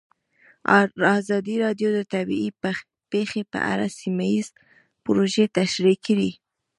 ازادي راډیو د طبیعي پېښې په اړه سیمه ییزې پروژې تشریح کړې.